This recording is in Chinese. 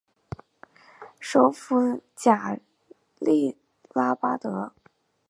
首府贾利拉巴德。